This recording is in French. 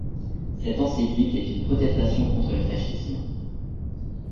Cette encyclique est une protestation contre le fascisme.